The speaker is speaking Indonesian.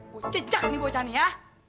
gue cecak nih bokannya